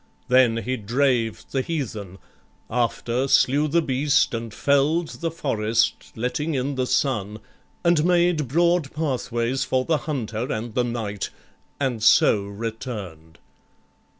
Then he drave The heathen; after, slew the beast, and fell'd The forest, letting in the sun, and made Broad pathways for the hunter and the knight, And so return'd.